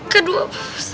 kedua pak bukhus